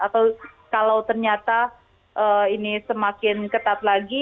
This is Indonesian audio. atau kalau ternyata ini semakin ketat lagi